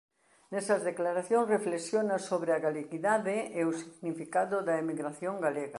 Nesas declaración reflexiona sobre a galeguidade e o significado da emigración galega.